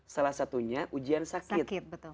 salah satunya ujian sakit